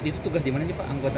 itu tugas di mana sih pak